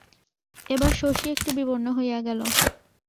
এবার শশী একটু বিবর্ণ হইয়া গেল।